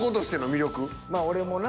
まあ俺もな。